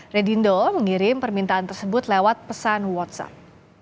redindo mengirim permintaan tersebut lewat pesan whatsapp